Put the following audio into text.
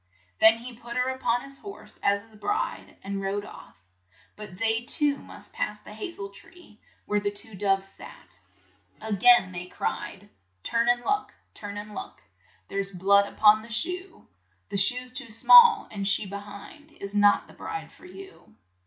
Then he put her up on his horse as his bride, and rode off. But they too must pass the ha zel tree, where the two doves sat. A gain they cried, "Turn and look, turn and look, ■ There's blood up on the shoe; The shoe's too small, and she be hind Is not the bride for you."